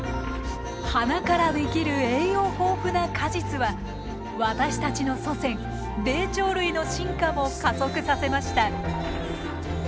花から出来る栄養豊富な果実は私たちの祖先霊長類の進化も加速させました。